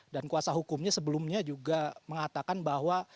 dan kuasa hukumnya sebelumnya juga mengatakan bahwa